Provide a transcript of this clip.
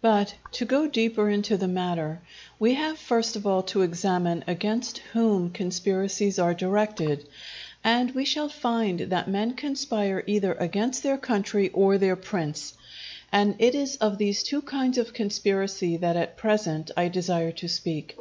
But, to go deeper into the matter, we have first of all to examine against whom conspiracies are directed; and we shall find that men conspire either against their country or their prince; and it is of these two kinds of conspiracy that at present I desire to speak.